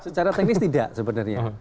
secara teknis tidak sebenarnya